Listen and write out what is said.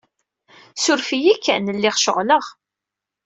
Suref-iyi kan, lliɣ ceɣleɣ.